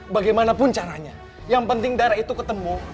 bagaimanapun caranya yang penting darah itu ketemu